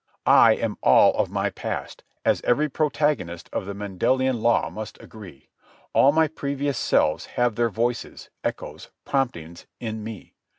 I am all of my past, as every protagonist of the Mendelian law must agree. All my previous selves have their voices, echoes, promptings in me.